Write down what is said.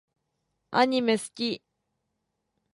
アニメ好き